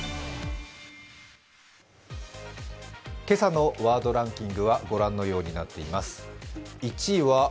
今朝のワードランキングは御覧のようになっています。